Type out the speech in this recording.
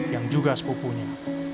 yang juga sepupunya